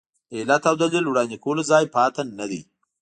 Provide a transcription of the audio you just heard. د علت او دلیل وړاندې کولو ځای پاتې نه دی.